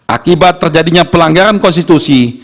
akibat terjadinya pelanggaran konstitusi